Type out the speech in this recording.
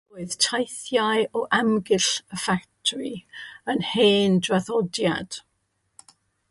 Roedd teithiau o amgylch y ffatri yn hen draddodiad.